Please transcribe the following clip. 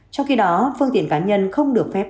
trong khi đó phương tiện cá nhân không được phép